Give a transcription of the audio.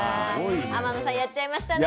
天野さんやっちゃいましたね。